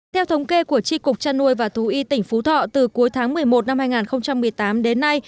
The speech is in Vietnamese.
theo thống kê của tri cục trăn nuôi và thú y tỉnh phú thọ từ cuối tháng một mươi một năm hai nghìn một mươi tám đến nay